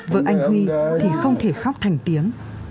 vợ anh huy thì không thể khóc thành tiếng